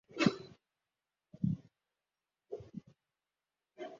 Umuhungu nabakobwa babiri biga ibyo umuganga cyangwa umuforomo akora